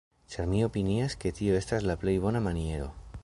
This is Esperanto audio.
ĉar mi opinias, ke tio estas la plej bona maniero